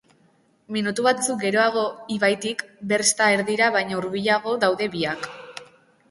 Minutu batzuk geroago, ibaitik versta erdira baino hurbilago daude biak.